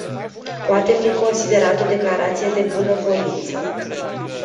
Poate fi considerat o declarație de bunăvoință.